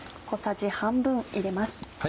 小さじ半分入れます。